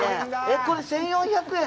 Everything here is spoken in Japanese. これ１４００円？